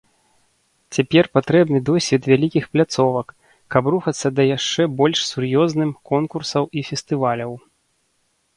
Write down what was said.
Цяпер патрэбны досвед вялікіх пляцовак, каб рухацца да яшчэ больш сур'ёзным конкурсаў і фестываляў.